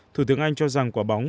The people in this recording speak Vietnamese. thủ tướng anh cho rằng quả bóng